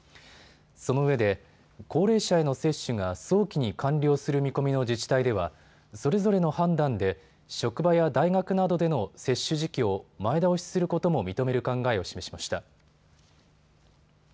そのうえで高齢者への接種が早期に完了する見込みの自治体ではそれぞれの判断で職場や大学などでの接種時期を前倒しすることも認める考えを示しました。